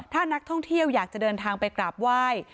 ถ้านักท่องเที่ยวอยากจะเดินทางไปกราบไหว้